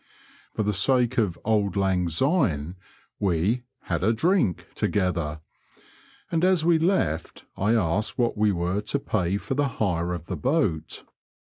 For the sake of auld lang syne," we " had a ^ink " together, and as we left I asked what we were to pay for the hire of the boat.